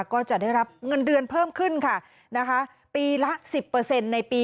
ก็จะได้รับเงินเดือนเพิ่มขึ้นค่ะนะคะปีละ๑๐ในปี